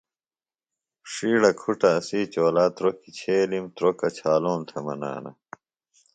ݜیڑہ کُھٹہ اسی چولا تروکیۡ چھیلِم تروۡکہ چھالوم تھےۡ منانہ